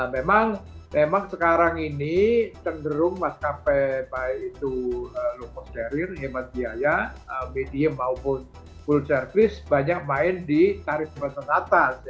memang memang sekarang ini cenderung maskapai baik itu low cost carrier hemat biaya medium maupun full service banyak main di tarif batas atas